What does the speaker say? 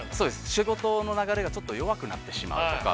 仕事の流れが、ちょっと弱くなってしまうとか。